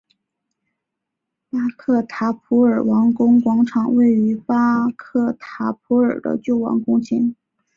巴克塔普尔王宫广场位于巴克塔普尔的旧王宫前。